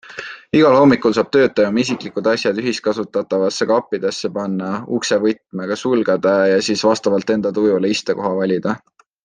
Igal hommikul saab töötaja oma isiklikud asjad ühiskasutatavatesse kappidesse panna, ukse võtmega sulgeda ja siis vastavalt enda tujule istekoha valida.